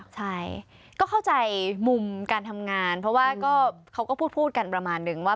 ใช่ก็เข้าใจมุมการทำงานเพราะว่าเขาก็พูดกันประมาณนึงว่า